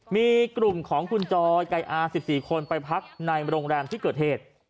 มีกลุ่มของคุณจอยไก่อา๑๔คนไปพักในโรงแรมที่เกิดเหตุ